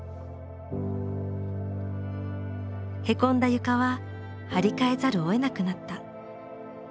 へこんだ床は張り替えざるをえなくなった。